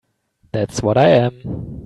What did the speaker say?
That's what I am.